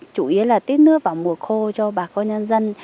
chủ yếu là tiết nước vào mùa khô cho bà con nhân dân